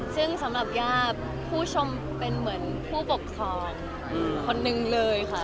ซึ่งสำหรับย่าผู้ชมเป็นเหมือนผู้ปกครองคนนึงเลยค่ะ